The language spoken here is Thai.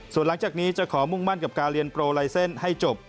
ส่วนหลังจากนี้จะขอมุ่งมั่นกับการเรียนโปรไลเซ็นต์ให้จบ